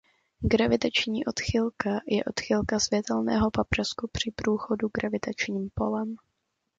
Gravitační odchylka je odchylka světelného paprsku při průchodu gravitačním polem.